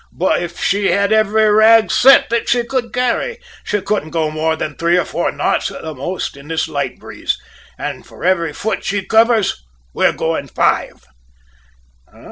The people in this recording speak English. "But if she had every rag set that she could carry, she couldn't go more than three or four knots at the most, in this light breeze; and for every foot she covers we're going five!"